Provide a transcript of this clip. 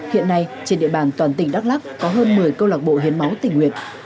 hiện nay trên địa bàn toàn tỉnh đắk lắc có hơn một mươi câu lạc bộ hiến máu tỉnh nguyện